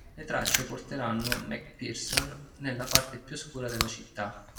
Le tracce porteranno MacPherson nella parte più oscura della città.